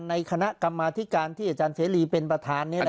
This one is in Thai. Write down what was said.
ในคณะกรรมาธิการที่อาจารย์เสรีเป็นประธาน